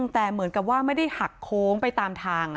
แต่เหมือนกับว่าไม่ได้หักโค้งไปตามทาง